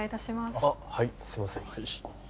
あっはいすいません